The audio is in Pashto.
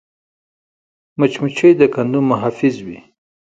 مچمچۍ د کندو محافظ وي